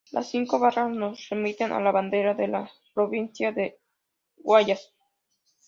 Las cinco barras nos remiten a la bandera de la provincia del Guayas.